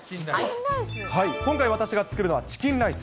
今回、私が作るのはチキンライス。